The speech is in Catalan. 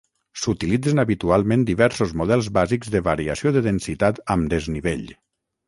S'utilitzen habitualment diversos models bàsics de variació de densitat amb desnivell.